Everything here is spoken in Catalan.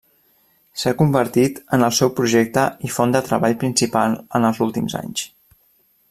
S'ha convertit en el seu projecte i font de treball principal en els últims anys.